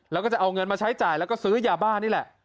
แล้วก็จะเอาเงินมาใช้จ่ายแล้วก็ซื้อยาบ้านี่แหละ